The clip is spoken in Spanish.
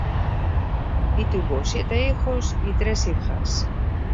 Y tuvo siete hijos y tres hijas.